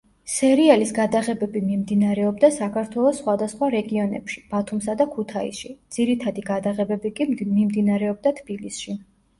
სერიალის გადაღებები მიმდინარეობდა საქართველოს სხვადასხვა რეგიონებში ბათუმსა და ქუთაისში, ძირითადი გადაღებები კი მიმდინარეობდა თბილისში.